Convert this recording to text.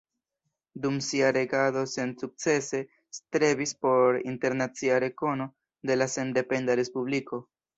Dum sia regado sensukcese strebis por internacia rekono de la sendependa respubliko.